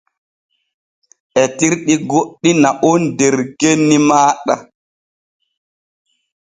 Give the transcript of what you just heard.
Etirɗi goɗɗi na’on der genni maaɗa.